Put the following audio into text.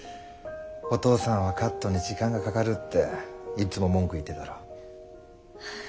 お父さんはカットに時間がかかるっていっつも文句言ってただろ？